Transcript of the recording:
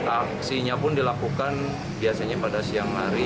aksinya pun dilakukan biasanya pada siang hari